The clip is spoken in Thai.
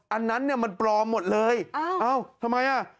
อันนั้นเนี่ยมันปลอมหมดเลยอ้าวทำไมอ่ะ